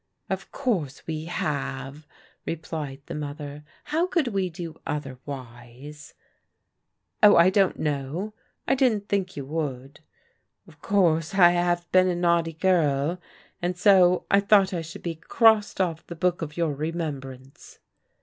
"" Of course we have," replied the mother. " How could we do otherwise ?"" Oh, I don't know. I didn't think you would. Of course I have been a naughty girl, and so I thought I should be crossed off the book of your remembrance."